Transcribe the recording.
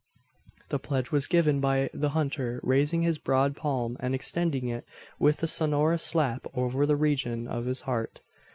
The pledge was given by the hunter raising his broad palm, and extending it with a sonorous slap over the region of his heart.